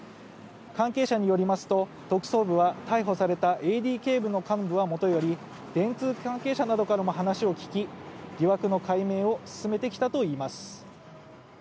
関係者によりますと特捜部は逮捕されたＡＤＫの幹部はもとより電通関係者などからも話を聞き、疑惑の解明を進めてきたといいます。